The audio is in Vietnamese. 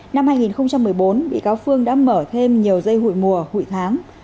năm hai nghìn một mươi bốn bị cáo phương đã mở thêm nhiều dây hụi mùa hụi tháng